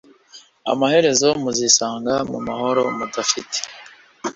amaherezo muzisanga mu mahoro mudafite